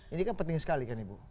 ini kan penting sekali kan ibu